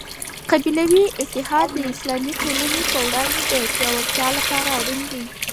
قبیلوي اتحاد د اسلامي ټولني په وړاندي د پياوړتیا لپاره اړین دی.